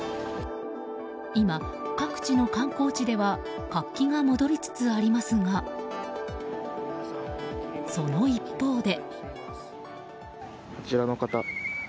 今、各地の観光地では活気が戻りつつありますがその一方で。